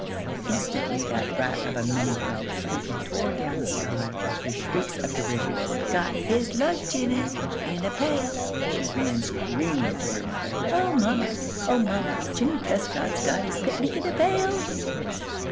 Instantly that brat of a Minnie Phelps simply tore down the sky with her shrieks of derision. "Got his lunch in it! In a pail!" She ran screaming to her mother. "Oh, mamma! Oh, mamma! Jimmie Trescott's got his picnic in a pail!"